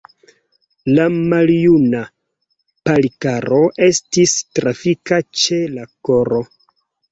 La maljuna Palikaro estis trafita ĉe la koro.